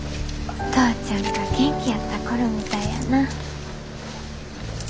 お父ちゃんが元気やった頃みたいやな。